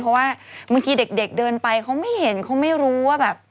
เพราะว่าบางทีเด็กเดินไปเขาไม่เห็นเขาไม่รู้ว่าแบบ